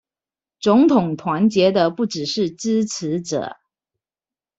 總統團結的不只是支持者